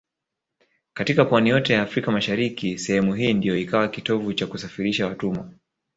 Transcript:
Katika pwani yote ya Afrika mashariki sehemu hii ndio ikawa kitovu cha kusafirishia watumwa